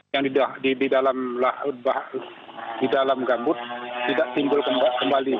yang di dalam gambut tidak timbul kembali